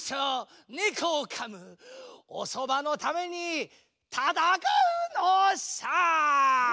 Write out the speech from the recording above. おそばのためにたたかうのさ！